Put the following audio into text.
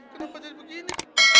kenapa jadi begini